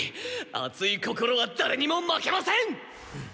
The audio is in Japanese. あつい心はだれにも負けません！